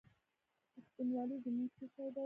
پښتونولي زموږ څه شی دی؟